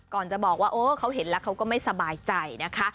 จะบอกว่าโอ้เขาเห็นแล้วเขาก็ไม่สบายใจนะคะ